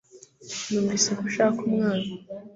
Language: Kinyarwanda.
Numvise ko ushaka umwana